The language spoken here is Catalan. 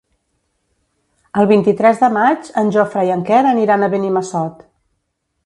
El vint-i-tres de maig en Jofre i en Quer aniran a Benimassot.